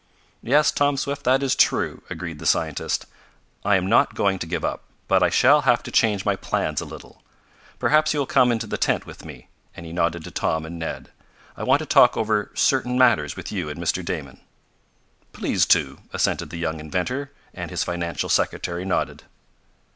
"Yes, Tom Swift, that is true," agreed the scientist. "I am not going to give up, but I shall have to change my plans a little. Perhaps you will come into the tent with me," and he nodded to Tom and Ned. "I want to talk over certain matters with you and Mr. Damon." "Pleased to," assented the young inventor, and his financial secretary nodded.